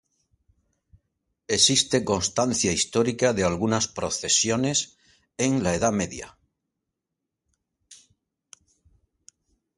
Existe constancia histórica de algunas procesiones en la Edad Media.